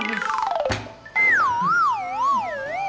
iya enak banget